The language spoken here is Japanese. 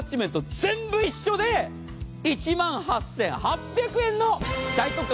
全部一緒で１万８８００円の大特価。